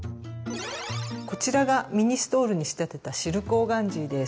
こちらがミニストールに仕立てたシルクオーガンジーです。